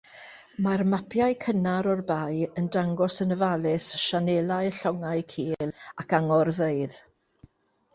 Mae mapiau cynnar o'r bae yn dangos yn ofalus sianelau llongau cul ac angorfeydd.